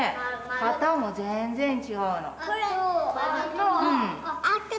旗も全然違うの。